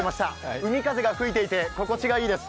海風が吹いていて、心地がいいです